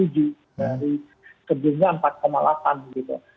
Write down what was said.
jadi kebunnya empat delapan gitu